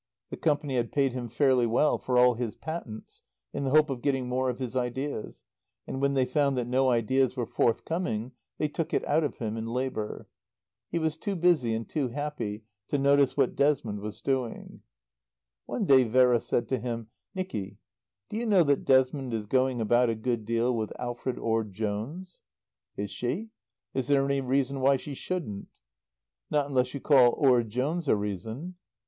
The Company had paid him fairly well for all his patents in the hope of getting more of his ideas, and when they found that no ideas were forthcoming they took it out of him in labour. He was too busy and too happy to notice what Desmond was doing. One day Vera said to him, "Nicky, do you know that Desmond is going about a good deal with Alfred Orde Jones?" "Is she? Is there any reason why she shouldn't?" "Not unless you call Orde Jones a reason."